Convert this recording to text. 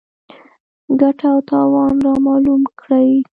ګټه او تاوان رامعلوم کړي.